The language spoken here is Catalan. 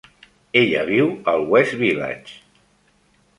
Ella viu al West Village.